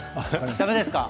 だめですか？